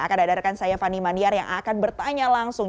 akan ada rekan saya fani maniar yang akan bertanya langsung